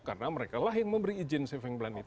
karena mereka lah yang memberi izin saving plan itu